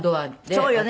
そうよね。